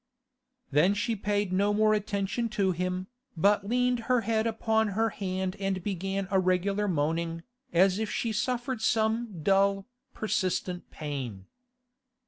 Then she paid no more attention to him, but leaned her head upon her hand and began a regular moaning, as if she suffered some dull, persistent pain.